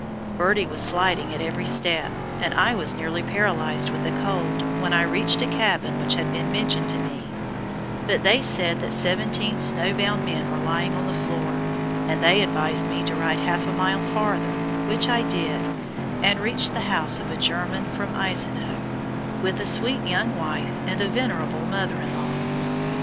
Birdie was sliding at every step, and I was nearly paralyzed with the cold when I reached a cabin which had been mentioned to me, but they said that seventeen snow bound men were lying on the floor, and they advised me to ride half a mile farther, which I did, and reached the house of a German from Eisenau, with a sweet young wife and a venerable mother in law.